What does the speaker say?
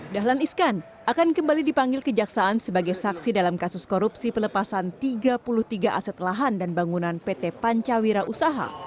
dahlan iskan akan kembali dipanggil kejaksaan sebagai saksi dalam kasus korupsi pelepasan tiga puluh tiga aset lahan dan bangunan pt pancawira usaha